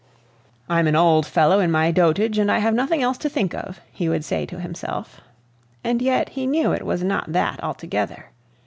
"I'm an old fellow in my dotage, and I have nothing else to think of," he would say to himself; and yet he knew it was not that altogether.